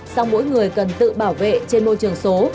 song mỗi người cần tự bảo vệ trên môi trường số